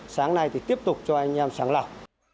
sáng nay thì tiếp tục cho anh em sàng lọc